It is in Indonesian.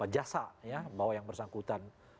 jasa bahwa yang bersangkutan